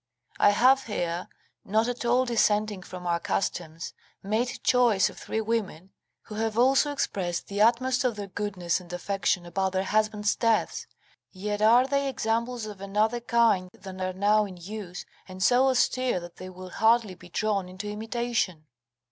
I have here, not at all dissenting from our customs, made choice of three women, who have also expressed the utmost of their goodness and affection about their husbands' deaths; yet are they examples of another kind than are now m use, and so austere that they will hardly be drawn into imitation.